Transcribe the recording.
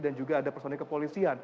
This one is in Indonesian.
dan juga ada personel kepolisi